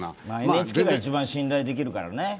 ＮＨＫが一番、信頼できるからね。